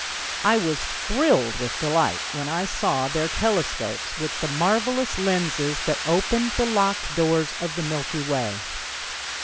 I was thrilled with delight when I saw their telescopes with the marvelous lenses that opened the locked doors of the Milky Way.